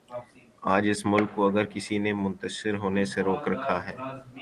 آج اس ملک کو اگر کسی نے منتشر ہونے سے روک رکھا ہے۔